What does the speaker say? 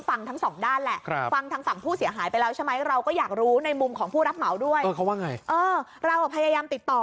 เพื่อว่าไง